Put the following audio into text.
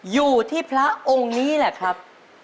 อยู่ที่พระองค์นี้แหละครับ